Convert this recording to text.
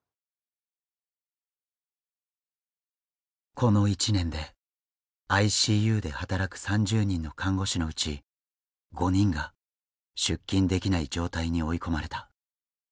この１年でＩＣＵで働く３０人の看護師のうち５人が出勤できない状態に追い込まれた。